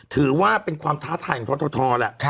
ถือว่าเป็นความท้าทายของททแหละ